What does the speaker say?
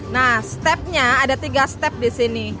nah stepnya ada tiga step di sini